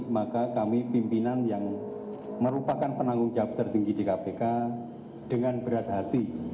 maka kami pimpinan yang merupakan penanggung jawab tertinggi di kpk dengan berat hati